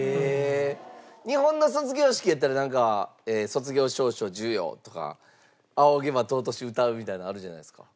日本の卒業式やったらなんか卒業証書授与とか『仰げば尊し』歌うみたいなのあるじゃないですか。